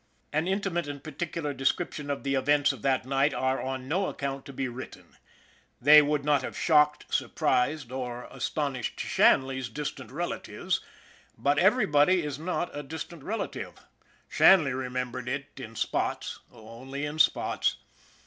An intimate and particular description of the events of that night are on no account to be written. They would not have shocked, surprised, or astonished Shan SHANLEY'S LUCK 99 ley's distant relatives but everybody is not a distant relative. Shanley remembered it in spots only in spots.